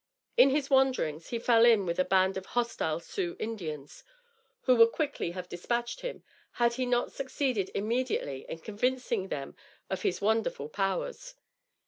In his wanderings, he fell in with a band of hostile Sioux Indians, who would quickly have dispatched him, had he not succeeded immediately in convincing them of his wonderful powers.